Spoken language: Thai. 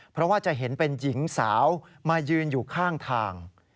เพราะว่าจะเห็นเป็นหญิงสาวมายืนอยู่ข้างทาง